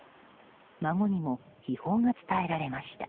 孫にも悲報が伝えられました。